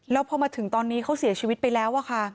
แล้วพอมาถึงตอนนี้เขาเสียชีวิตไปแล้วอะค่ะ